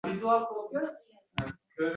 Yoshlik seni tashlab ketdi uzoqqa